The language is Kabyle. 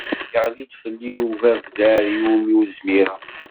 Yeɣli-d fell-i ubabder i wumi ur zmireɣ.